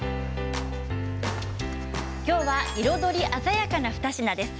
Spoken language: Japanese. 今日は彩り鮮やかな２品です。